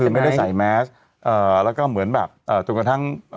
คือไม่ได้ใส่แมสเอ่อแล้วก็เหมือนแบบเอ่อจนกระทั่ง